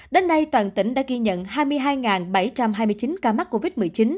đến nay toàn tỉnh đã ghi nhận hai mươi hai bảy trăm hai mươi chín ca mắc covid một mươi chín